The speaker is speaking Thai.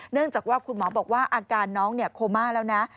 เนื่องจากว่าคุณหมอบอกว่าอาการน้องโคม่าแล้วนะ